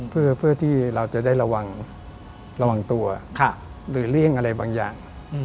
เพื่อที่เราจะได้ระวังตัวหรือเลี่ยงอะไรบางอย่าง